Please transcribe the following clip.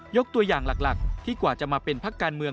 ยกตัวอย่างหลักที่กว่าจะมาเป็นพักการเมือง